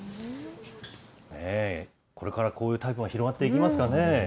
これから、こういうタイプが広がっていきますかね。